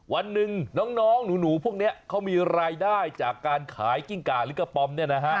วันหนึ่งน้องหนูพวกนี้เขามีรายได้จากการขายกิ้งกาหรือกระป๋อมเนี่ยนะฮะ